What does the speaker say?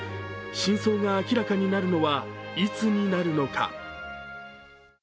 真相が明らかになるのはいつになるのか。